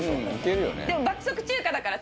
でも爆速中華だから。